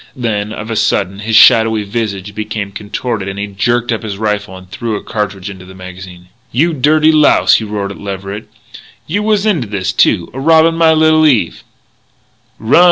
Then, of a sudden, his shadowy visage became contorted and he jerked up his rifle and threw a cartridge into the magazine. "You dirty louse!" he roared at Leverett, "you was into this, too, a robbin' my little Eve " "Run!"